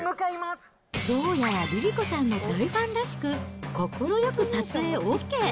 どうやら、ＬｉＬｉＣｏさんの大ファンらしく、快く撮影ＯＫ。